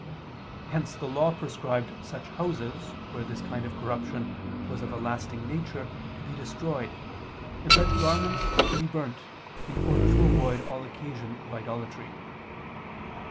Hence the Law prescribed such houses, where this kind of corruption was of a lasting nature, to be destroyed; and such garments to be burnt, in order to avoid all occasion of idolatry.